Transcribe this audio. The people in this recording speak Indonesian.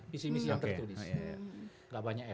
visi misi yang tertulis